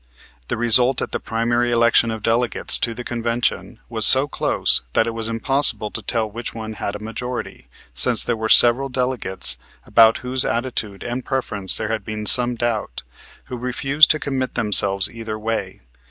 The result at the primary election of delegates to the convention was so close that it was impossible to tell which one had a majority, since there were several delegates, about whose attitude and preference there had been some doubt, who refused to commit themselves either way.